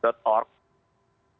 di situ sistemnya pelaporan independen